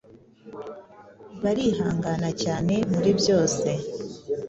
barihangana cyane muri byose